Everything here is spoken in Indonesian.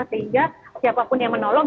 sehingga siapa pun yang menolong